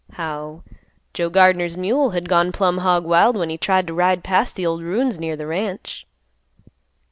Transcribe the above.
How "Joe Gardner's mule had gone plumb hog wild when he tried to ride past the ol' ruins near th' ranch."